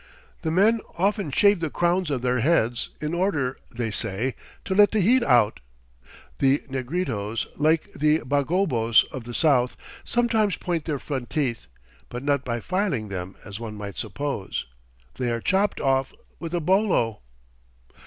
The men often shave the crowns of their heads in order, they say, "to let the heat out." The Negritos, like the Bagobos of the south, sometimes point their front teeth, but not by filing them as one might suppose. They are chopped off with a bolo.